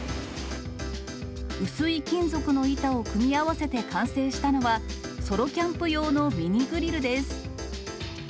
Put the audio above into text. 薄い金属の板を組み合わせて完成したのは、ソロキャンプ用のミニグリルです。